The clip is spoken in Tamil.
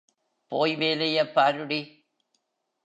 போய் வேலையைப் பாருடி.